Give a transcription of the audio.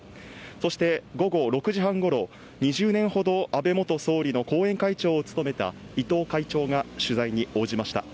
そして午後６時半ごろ２０年ほど安倍元総理の後援会長を務めた伊藤会長が取材に応じました。